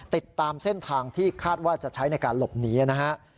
ติดตามเส้นทางที่คาดว่าจะใช้ในการหลบหนีนะฮะ